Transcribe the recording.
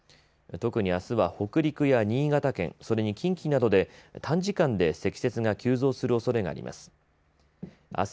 特にあすは北陸や新潟県それに近畿などで短時間で積雪が急増するおそれがあります。